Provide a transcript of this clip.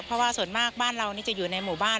เพราะว่าส่วนมากบ้านเรานี่จะอยู่ในหมู่บ้าน